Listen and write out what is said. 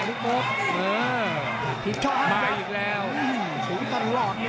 ต้องออกครับอาวุธต้องขยันด้วย